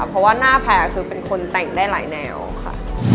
เพราะว่าหน้าแพร่คือเป็นคนแต่งได้หลายแนวค่ะ